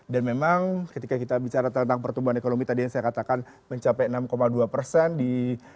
dan memang ketika kita bicara tentang pertumbuhan ekonomi tadi yang saya katakan mencapai enam dua di dua ribu dua puluh dua